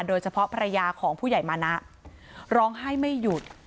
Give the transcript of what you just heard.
โดยเฉพาะภรรยาของผู้ใหญ่มานะร้องไห้ไม่หยุด